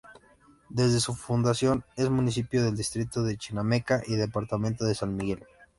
Desde su fundación es municipio del distrito de Chinameca y departamento de San Miguel.